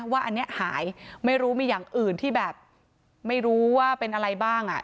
ว่าอันนี้หายไม่รู้มีอย่างอื่นที่แบบไม่รู้ว่าเป็นอะไรบ้างอ่ะ